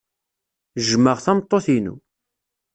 Jjmeɣ tameṭṭut-inu.